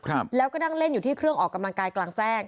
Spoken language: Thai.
ครับแล้วก็นั่งเล่นอยู่ที่เครื่องออกกำลังกายกลางแจ้ง